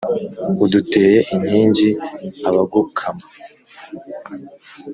uduteye inkingi abagukama